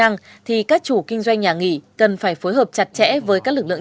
lực lượng chức năng thì các chủ kinh doanh nhà nghỉ cần phải phối hợp chặt chẽ với các lực lượng